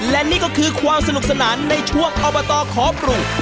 และนี่คือความสนุกสนานในช่วงอัลบาตอร์ขอบรูก